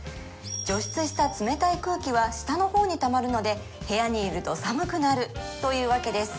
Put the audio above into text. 除湿した冷たい空気は下の方にたまるので部屋にいると寒くなるというわけです